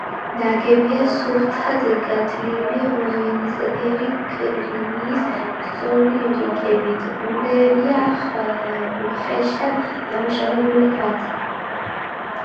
ნაგებია სუფთად გათლილი ღვინისფერი ქვის სწორი რიგებით, ურევია უხეშად დამუშავებული ქვაც.